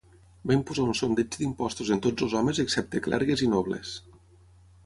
Va imposar un sondeig d'impostos en tots els homes excepte clergues i nobles.